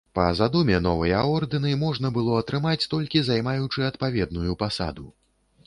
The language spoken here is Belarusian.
Па задуме новыя ордэны можна было атрымаць, толькі займаючы адпаведную пасаду.